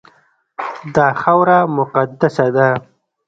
دا خاوره مقدسه ده.